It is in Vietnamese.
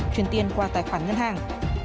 truyền tiền qua tài khoản ngân hàng